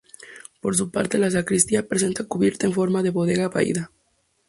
Por su parte la sacristía presenta cubierta en forma de bóveda vaída.